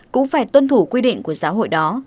cũng phải tuân thủ quy định của giáo hội đó